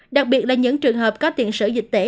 đặc biệt là những trường hợp có tiện sử dịch tệ